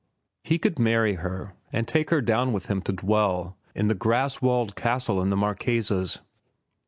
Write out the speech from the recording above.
He could marry her and take her down with him to dwell in the grass walled castle in the Marquesas.